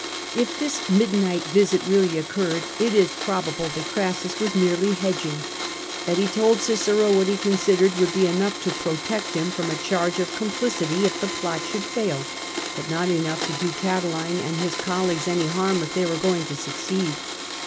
If this midnight visit really occurred, it is probable that Crassus was merely " hedging," — that he told Cicero what he con sidered would be enough to protect him from a charge of complicity if the plot should fail, but not enough to do Catiline and his colleagues any harm if they were going to succeed.